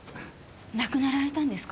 亡くなられたんですか？